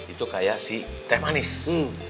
itu kayak si teh manis